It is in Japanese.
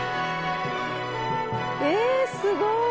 えすごい！